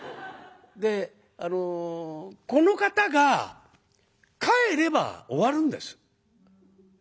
であのこの方が帰れば終わるんです。